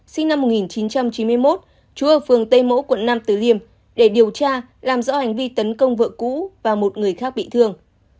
sinh năm một nghìn chín trăm chín mươi một trú ở phường tây mỗ quận năm tiềm để điều tra làm rõ hành vi tấn công vợ cũ và một người khác bị thương